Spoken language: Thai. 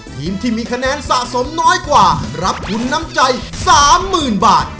ทีมที่มีคะแนนสะสมน้อยกว่ารับทุนน้ำใจ๓๐๐๐บาท